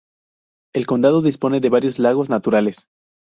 El condado dispone de varios lagos naturales.